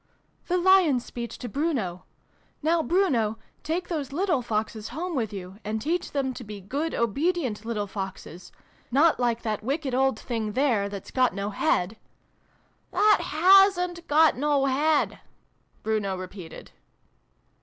" The Lion's speech to Bruno. ' Now, Bruno, take those little Foxes home with you, and teach them to be good obedient little Foxes ! Not like that wicked old thing there, that's got no head !"(" That hasn't got no head," Bruno repeated.)